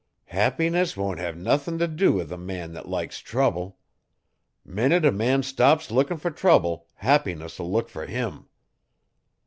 Happiness won't hey nuthin if dew with a man thet likes trouble. Minnit a man stops lookin' fer trouble happiness 'II look fer him.